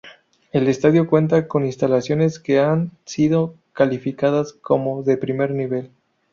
El estadio cuenta con instalaciones que han sido calificadas como "de primer nivel".